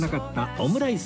オムライス？